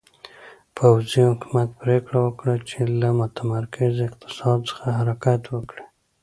پوځي حکومت پرېکړه وکړه چې له متمرکز اقتصاد څخه حرکت وکړي.